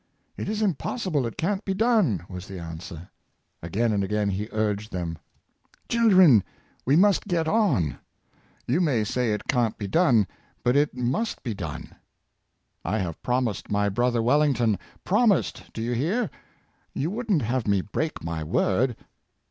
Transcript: "It is impossible; it can't be done," was the answer. Again and again he urged them. " Children, we must get on; you may say it can't be done, but it ^nust be 502 Truth the Bond of Society, done ! I have promised my brother WeUington — f>ro?n ised^ do you hear? You wouldn't have me break my word!